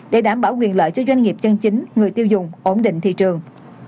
để đảm bảo quyền lợi cho doanh nghiệp chân chính người tiêu dùng ổn định thị trường